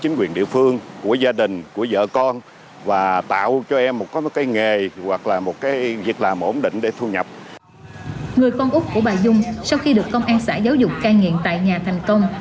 người con úc của bà dung sau khi được công an xã giáo dục cai nghiện tại nhà thành công